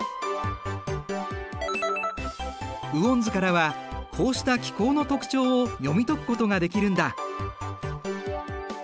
雨温図からはこうした気候の特徴を読み解くことができるんだ。